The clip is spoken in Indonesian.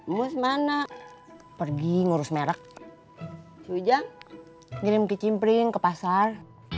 mus mana pergi ngurus merek juga ngirim ke cimpring ke pasar